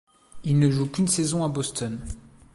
Il ne joue qu'une saison à Boston.